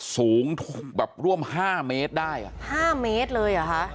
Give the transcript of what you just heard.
สูงแบบร่วม๕เมตรได้๕เมตรเลยหรอ